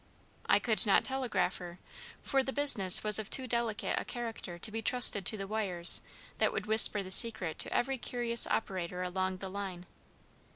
I could not telegraph her, for the business was of too delicate a character to be trusted to the wires that would whisper the secret to every curious operator along the line.